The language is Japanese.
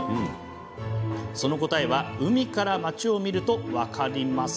その答えは海から町を見ると分かります。